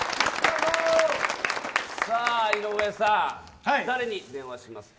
井上さん、誰に電話しますか？